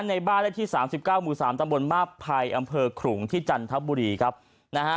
ในบ้านที่๓๙๓ตำบลมาภัยอำเภอขุงที่จันทบุรีครับนะฮะ